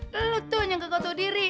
lu tuh yang kekotoh diri